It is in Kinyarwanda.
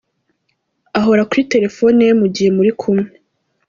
Ahora kuri telephone ye mu gihe muri kumwe.